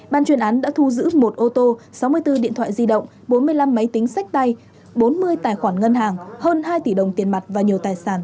ban chuyên án đã thu giữ một ô tô sáu mươi bốn điện thoại di động bốn mươi năm máy tính sách tay bốn mươi tài khoản ngân hàng hơn hai tỷ đồng tiền mặt và nhiều tài sản